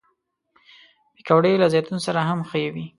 پکورې له زیتون سره هم ښه وي